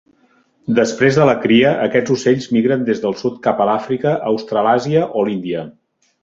Després de la cria, aquests ocells migren des del sud cap a l'Àfrica, Australàsia o l'Índia.